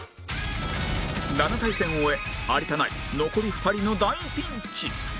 ７回戦を終え有田ナイン残り２人の大ピンチ